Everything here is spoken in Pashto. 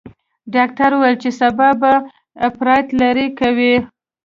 ډاکتر وويل چې سبا به اپرات لرې کوي.